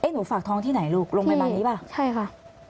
หนูฝากท้องที่ไหนลูกโรงพยาบาลนี้ป่ะใช่ค่ะ